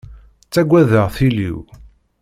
Ttaggadeɣ tili-w.